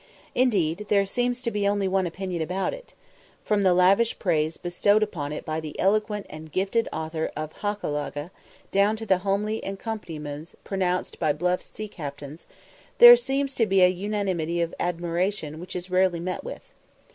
Indeed, there seems to be only one opinion about it. From the lavish praise bestowed upon it by the eloquent and gifted author of 'Hochelaga' down to the homely encomiums pronounced by bluff sea captains, there seems a unanimity of admiration which is rarely met with.